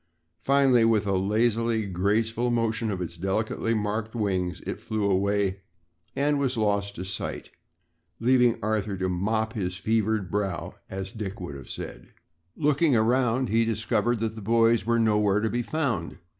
Finally, with a lazily graceful motion of its delicately marked wings, it flew away and was lost to sight, leaving Arthur to "mop his fevered brow," as Dick would have said. Looking around him he discovered that the boys were nowhere to be found.